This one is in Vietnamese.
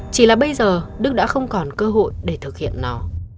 chỉ là bây giờ đức đã không còn cơ hội để thực hiện nó